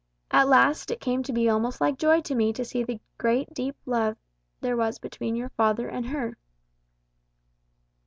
At last it came to be almost like joy to me to see the great deep love there was between your father and her."